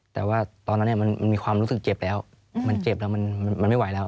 แต่ว่าตอนนั้นมันมีความรู้สึกเจ็บแล้วมันเจ็บแล้วมันไม่ไหวแล้ว